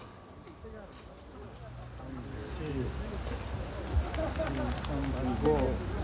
３４。３５。